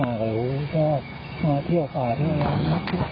อาจจะมาเที่ยวปากด้วย